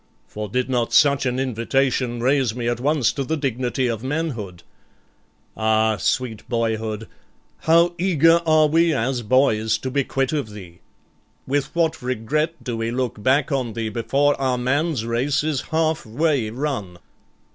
for did not such an invitation raise me at once to the dignity of manhood. Ah, sweet boyhood, how eager are we as boys to be quit of thee, with what regret do we look back on thee before our man's race is half way run!